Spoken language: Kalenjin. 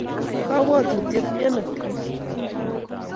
Kabwatutiet miano Griffy